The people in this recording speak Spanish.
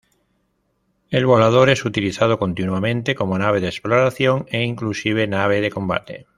El Volador es utilizado continuamente como nave de exploración e inclusive nave de combate.